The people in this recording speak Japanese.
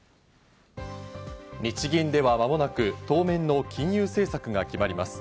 日銀では間もなく当面の金融政策が決まります。